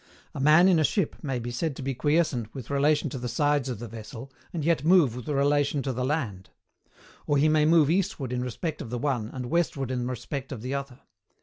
A man in a ship may be said to be quiescent with relation to the sides of the vessel, and yet move with relation to the land. Or he may move eastward in respect of the one, and westward in respect of the other.